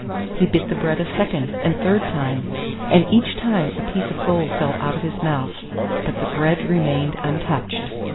He bit the bread a second and third time, and each time a piece of gold fell out of his mouth; but the bread remained untouched.